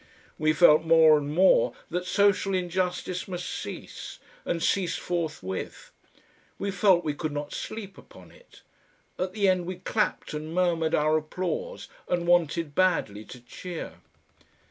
We felt more and more that social injustice must cease, and cease forthwith. We felt we could not sleep upon it. At the end we clapped and murmured our applause and wanted badly to cheer.